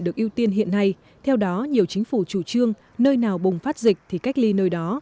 được ưu tiên hiện nay theo đó nhiều chính phủ chủ trương nơi nào bùng phát dịch thì cách ly nơi đó